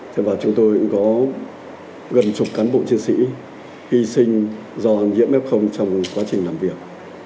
thế và chúng tôi cũng có gần chục cán bộ chiến sĩ hy sinh do nhiễm f trong quá trình làm việc